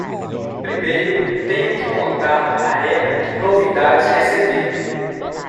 Primeiro tenho que contar a ela que novidades receber!